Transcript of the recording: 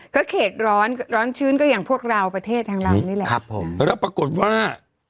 ก็เขตร้อนร้อนชื้นก็อย่างพวกเราประเทศทางเรานี่แหละครับผมแล้วปรากฏว่า